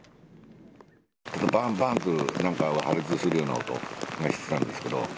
ばんばんという何か破裂するような音がしてたんですけど。